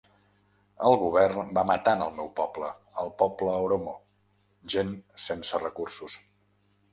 El govern va matant el meu poble, el poble oromo, gent sense recursos.